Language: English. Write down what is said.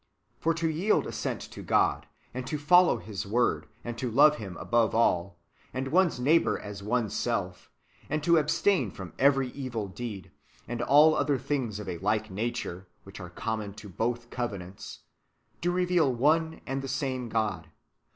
For to yield assent to God, and to follow His Word, and to love Him above all, and one's neighbour as one's self (now man is neighbour to man), and to abstain from every evil deed, and all other things of a like nature which are common to both [covenants], do reveal one and the same God.